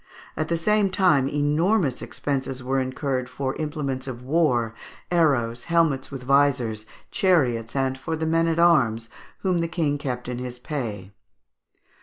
At the same time enormous expenses were incurred for implements of war, arrows, helmets with visors, chariots, and for the men at arms whom the King kept in his pay.